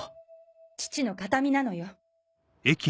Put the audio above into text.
父の形見なのよ。